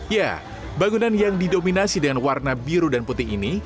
ya bangunan yang didominasi dengan warna biru dan putih ini